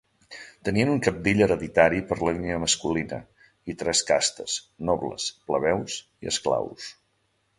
Tenien un cabdill hereditari per línia masculina i tres castes: nobles, plebeus i esclaus.